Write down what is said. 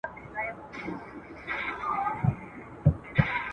همدغه دروند دغه ستایلی وطن